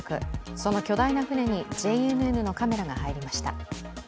その巨大な船にＪＮＮのカメラが入りました。